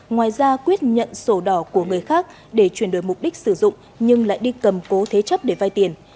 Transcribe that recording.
ngoài ra quyết nhận sổ đỏ của người khác để chuyển đổi mục đích sử dụng nhưng lại đi cầm cố thế chấp để vay tiền